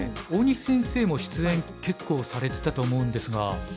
大西先生も出演結構されてたと思うんですが。